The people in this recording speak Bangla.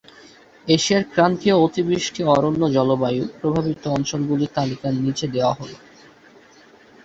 এশিয়ার ক্রান্তীয় অতিবৃষ্টি অরণ্য জলবায়ু প্রভাবিত অঞ্চলগুলির তালিকা নিচে দেওয়া হল,